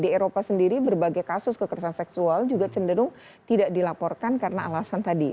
di eropa sendiri berbagai kasus kekerasan seksual juga cenderung tidak dilaporkan karena alasan tadi